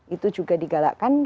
itu juga digalakkan